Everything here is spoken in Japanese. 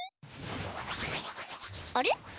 あれ？